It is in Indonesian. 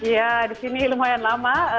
ya di sini lumayan lama